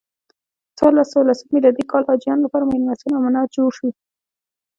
په څوارلس سوه لسم میلادي کال حاجیانو لپاره میلمستون او منار جوړ شو.